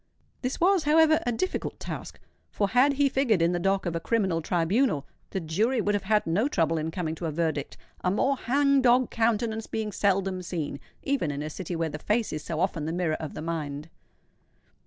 This was, however, a difficult task; for had he figured in the dock of a criminal tribunal, the jury would have had no trouble in coming to a verdict, a more hang dog countenance being seldom seen, even in a city where the face is so often the mirror of the mind.